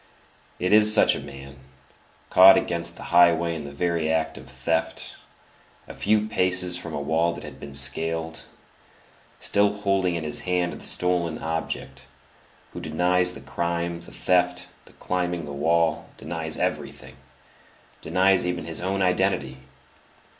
it is such a man, caught upon the highway in the very act of theft, a few paces from a wall that had been scaled, still holding in his hand the object stolen, who denies the crime, the theft, the climbing the wall; denies everything; denies even his own identity!